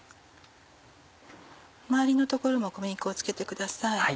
周りのところも小麦粉を付けてください。